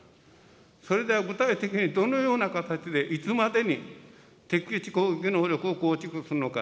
それでは具体的にどのような形でいつまでに、敵基地攻撃能力を構築するのか。